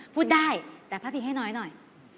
พูดได้แต่พาดพิงให้น้อยหน่อย